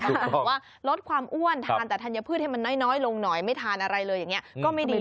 บอกว่าลดความอ้วนทานแต่ธัญพืชให้มันน้อยลงหน่อยไม่ทานอะไรเลยอย่างนี้ก็ไม่ดี